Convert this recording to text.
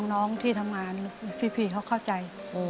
น้องที่ทำงานพี่เขาเข้าใจ